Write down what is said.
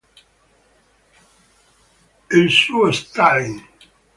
Il suo "Stalin.